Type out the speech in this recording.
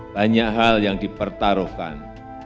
banyak hal yang dipertaruhkan